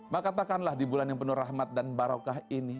maka katakanlah di bulan yang penuh rahmat dan bangga